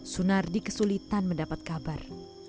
sunardi kesulitan mendapat kabar